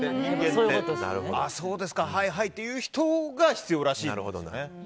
そうですか、はい、はいっていう人が必要らしい。